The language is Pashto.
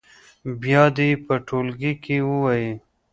بیا دې یې په ټولګي کې ووایي.